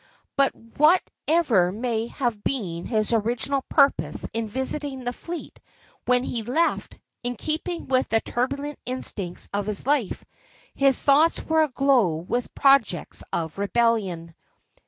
But, whatever may have been his original purpose in visiting the fleet, when he left, in keeping with the turbulent instincts of his life, his thoughts were aglow with projects of rebellion.